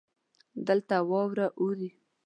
دلته واوره اوري.